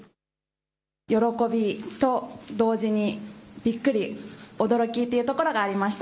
喜びと同時にびっくり、驚きというところがありました。